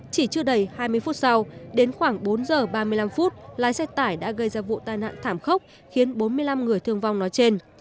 chỉ chưa đầy hai mươi phút sau đến khoảng bốn giờ ba mươi năm phút lái xe tải đã gây ra vụ tai nạn thảm khốc khiến bốn mươi năm người thương vong nói trên